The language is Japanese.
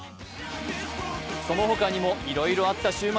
その他にもいろいろあった週末。